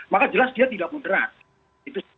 maka jelas dia tidak moderat